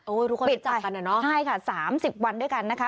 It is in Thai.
โอ้ยทุกคนติดจับกันน่ะเนาะใช่ค่ะ๓๐วันด้วยกันนะคะ